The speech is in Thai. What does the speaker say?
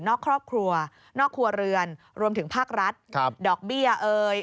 ครอบครัวนอกครัวเรือนรวมถึงภาครัฐครับดอกเบี้ยเอ่ย